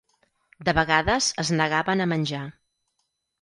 De vegades es negaven a menjar.